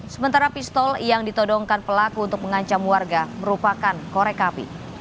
sementara pistol yang ditodongkan pelaku untuk mengancam warga merupakan korek api